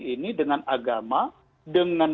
ini dengan agama dengan